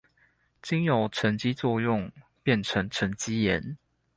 經由沈積作用變成沈積岩